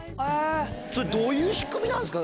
それどういう仕組みなんですか？